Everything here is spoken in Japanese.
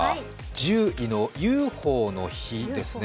１０位のＵＦＯの日ですね。